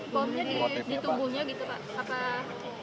bomnya ditumbuhnya gitu pak